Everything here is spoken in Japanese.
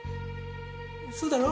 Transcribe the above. そうだろう？